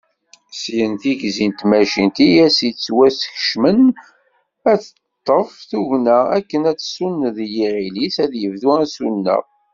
Syin, tigzi n tmacint i as-yettwaskecmen ad d-teṭṭef tugna akken ad tsuneḍ i yiɣil-is ad yebdu asuneɣ.